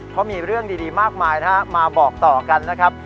เพราะมีเรื่องดีมากมายนะฮะมาบอกต่อกันนะครับ